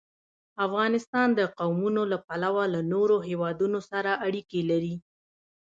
افغانستان د قومونه له پلوه له نورو هېوادونو سره اړیکې لري.